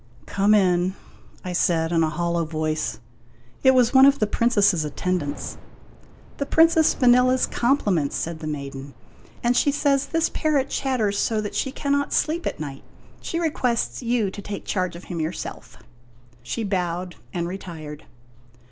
" Come in," I said in a hollow voice. It was one of the Princess's attendants. "The Princess Vanella's compliments," said the maiden, "and she says this parrot chatters so that she cannot sleep at night. She requests you to take charge of him yourself." She bowed and retired.